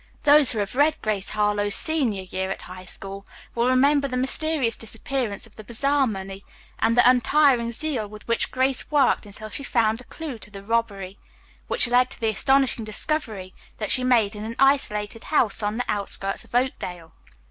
Those who have read "Grace Harlowe's Senior Year at High School" will remember the mysterious disappearance of the bazaar money and the untiring zeal with which Grace worked until she found a clew to the robbery, which led to the astonishing discovery that she made in an isolated house on the outskirts of Oakdale.